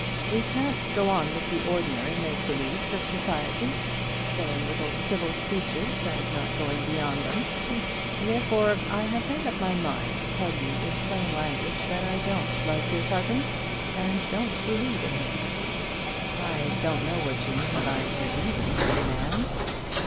We can't go on with the ordinary make believes of society, saying little civil speeches and not going beyond them. Therefore I have made up my mind to tell you in plain language that I don't like your cousin, and don't believe in him." "I don't know what you mean by believing in a man."